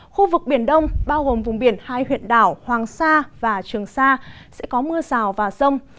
khu vực biển đông bao gồm vùng biển hai huyện đảo hoàng sa và trường sa sẽ có mưa rào và rông